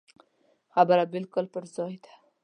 خبره بالکل پر ځای ده.